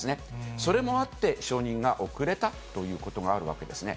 それもあって、承認が遅れたということがあるわけですね。